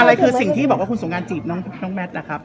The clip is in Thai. อะไรคือสิ่งที่บอกว่าคุณสงการจีบน้องแมทล่ะครับ